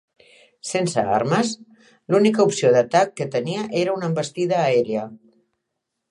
Sense armes, l'única opció d'atac que tenia era una envestida aèria.